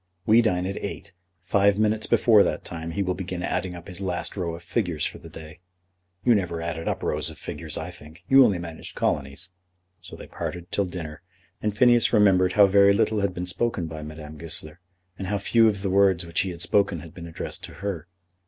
We dine at eight; five minutes before that time he will begin adding up his last row of figures for the day. You never added up rows of figures, I think. You only managed colonies." So they parted till dinner, and Phineas remembered how very little had been spoken by Madame Goesler, and how few of the words which he had spoken had been addressed to her.